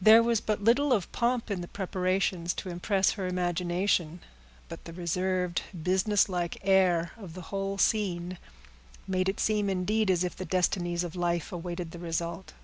There was but little of pomp in the preparations, to impress her imagination; but the reserved, businesslike air of the whole scene made it seem, indeed, as if the destinies of life awaited the result.